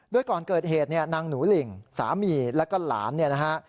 โดยก่อนเกิดเหตุเนี่ยนางหนูหลิ่งสามีแล้วก็หลานเนี่ยนะฮะ